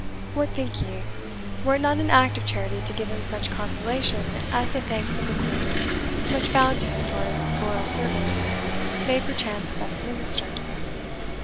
What think ye? were it not an act of charity to give him such consolation as the thanks of a Queen, much bound to him for his loyal service, may perchance best minister?"